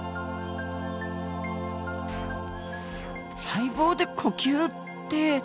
細胞で呼吸って。